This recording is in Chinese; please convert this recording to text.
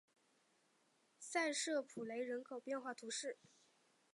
塞舍普雷人口变化图示